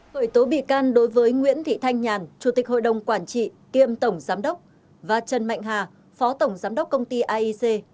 khởi tố bị can đối với nguyễn thị thanh nhàn chủ tịch hội đồng quản trị kiêm tổng giám đốc và trần mạnh hà phó tổng giám đốc công ty aic